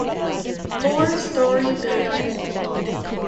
Four story building.